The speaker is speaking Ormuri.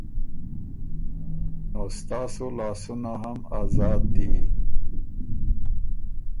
نو ستاسو لاسونه هم ازاد دی